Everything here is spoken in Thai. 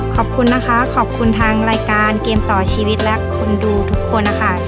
ขอบคุณนะคะขอบคุณทางรายการเกมต่อชีวิตและคนดูทุกคนนะคะ